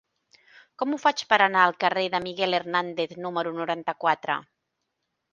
Com ho faig per anar al carrer de Miguel Hernández número noranta-quatre?